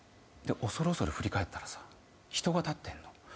恐る恐る振り返ったらさ人が立ってんの。